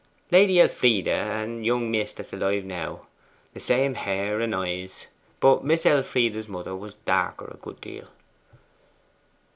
'Lady Elfride and young Miss that's alive now. The same hair and eyes: but Miss Elfride's mother was darker a good deal.